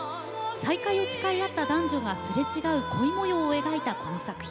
再会を誓い合った男女がすれ違う恋もようを描いたこの作品。